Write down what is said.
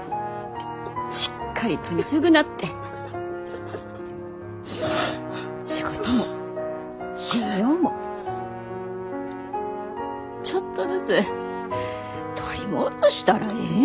しっかり罪償って仕事も信用もちょっとずつ取り戻したらええね。